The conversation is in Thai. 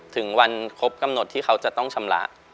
ถึงวันครบกำหนดที่เขาจะต้องชำระ